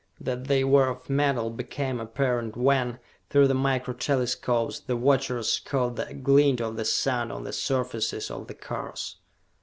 That they were of metal became apparent when, through the Micro Telescopes, the watchers caught the glint of the sun on the surfaces of the cars.